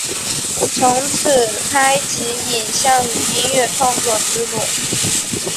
从此开启影像与音乐创作之路。